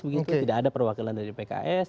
begitu tidak ada perwakilan dari pks